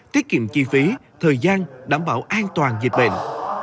tiết kiệm chi phí thời gian đảm bảo an toàn dịch bệnh